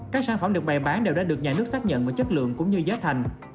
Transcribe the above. các sản phẩm được bày bán đều đã được nhà nước xác nhận vào chất lượng cũng như giá thành